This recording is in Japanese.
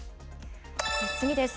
次です。